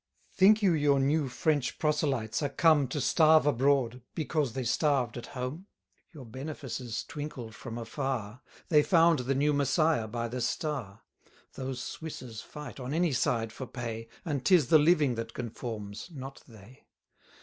Think you your new French proselytes are come To starve abroad, because they starved at home? Your benefices twinkled from afar; They found the new Messiah by the star: Those Swisses fight on any side for pay, And 'tis the living that conforms, not they.